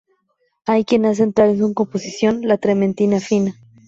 Hay quien hace entrar en su composición la trementina fina.